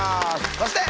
そして。